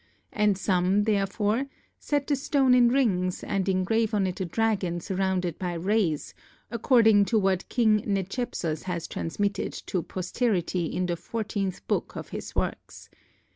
And some, therefore, set the stone in rings and engrave on it a dragon surrounded by rays, according to what King Nechepsos has transmitted to posterity in the fourteenth book (of his works).